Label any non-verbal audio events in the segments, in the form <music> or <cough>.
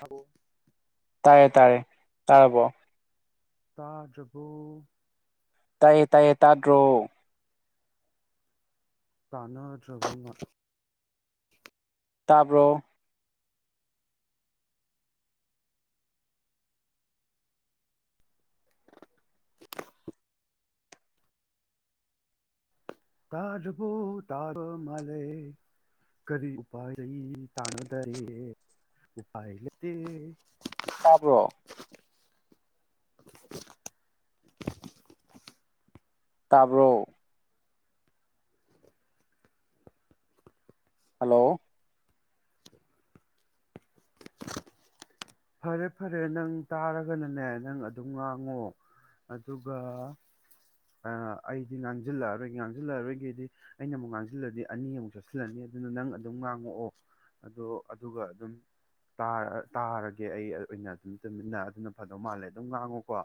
ꯇꯥꯕꯣ ꯇꯥꯔꯌꯦ ꯇꯥꯔꯦ ꯇꯥꯔꯕꯣ ꯇꯥꯖꯒꯨ ꯇꯥꯏꯌꯦ ꯇꯥꯏꯌꯦ ꯇꯥꯗ꯭ꯔꯣ ꯀꯅꯔꯒꯃ ꯇꯥꯕ꯭ꯔꯣ <inaudible> ꯇꯥꯖꯕꯣ ꯇꯥꯒ ꯃꯥꯂ ꯀꯔꯤ ꯎꯄꯥ ꯇꯥꯅꯗꯔꯦ ꯎꯄꯥ ꯂꯩ ꯇꯥꯕ꯭ꯔꯣ <inaudible> ꯇꯥꯕ꯭ꯔꯣ ꯍꯜꯂꯣ ꯐꯔꯦ ꯐꯔꯦ ꯅꯪ ꯇꯥꯔꯒꯅꯅꯦ ꯅꯪ ꯑꯗꯨꯝ ꯉꯥꯡꯉꯣ ꯑꯗꯨꯒ ꯑꯩꯗꯤ ꯉꯥꯡꯁꯤꯜꯂꯛꯑꯔꯣꯏꯒꯦ ꯉꯥꯡꯁꯤꯜꯂꯛꯑꯔꯣꯏꯒꯦꯗꯤ ꯑꯩꯅ ꯑꯃꯨꯛ ꯉꯥꯡꯁꯤꯜꯂꯗꯤ ꯑꯅꯤꯃꯨꯛ ꯆꯠꯁꯤꯜꯂꯅꯤ ꯑꯗꯨꯅ ꯅꯪ ꯑꯗꯨꯝ ꯉꯥꯡꯉꯛꯑꯣ ꯑꯗꯣ ꯑꯗꯨꯒ ꯑꯗꯨꯝ ꯇꯥꯔꯒ ꯦ ꯑꯩ ꯑꯣꯏꯅ ꯑꯗꯨꯝ ꯇꯨꯃꯤꯟꯅ ꯑꯗꯨꯅ ꯐꯗꯧ ꯃꯥꯜꯂꯦ ꯑꯗꯨꯝ ꯉꯥꯡꯉꯨꯀꯣ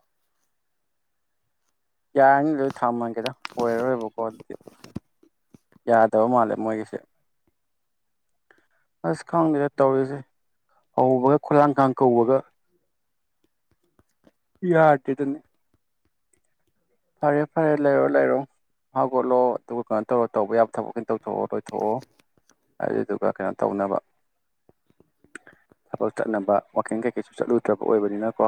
ꯌꯥꯔꯅꯤ ꯂꯣꯏ ꯊꯝꯃꯒꯦꯗ ꯑꯣꯏꯔꯔꯣꯏꯕꯀꯣ ꯑꯗꯨꯗꯤꯁꯦ ꯌꯥꯗꯕ ꯃꯥꯜꯂꯦ ꯃꯣꯏꯒꯤꯁꯦ ꯑꯁ ꯈꯪꯗꯦꯗ ꯇꯧꯔꯤꯁꯦ ꯍꯧꯕꯒ ꯈꯨꯂꯥꯡ ꯀꯥꯡ ꯀꯧꯕꯒ ꯌꯥꯗꯦꯗꯨꯅꯤ ꯐꯔꯦ ꯐꯔꯦ ꯂꯩꯔꯣ ꯂꯩꯔꯣ ꯍꯧꯒꯠꯂꯣ ꯑꯗꯨꯒ ꯀꯩꯅꯣ ꯇꯧꯔꯣ ꯇꯧꯕ ꯌꯥꯕ ꯊꯕꯛ ꯀꯩꯅ ꯇꯧꯊꯣꯛꯑꯣ ꯂꯣꯏꯊꯣꯛꯑꯣ ꯑꯗꯨꯗꯨꯒ ꯀꯩꯅꯣ ꯇꯧꯅꯕ ꯊꯕꯛ ꯆꯠꯅꯕ ꯋꯥꯋꯀꯤꯡ ꯀꯩꯀꯩꯁꯨ ꯆꯠꯂꯨꯗ꯭ꯔꯕ ꯑꯣꯏꯕꯅꯤꯅꯀꯣ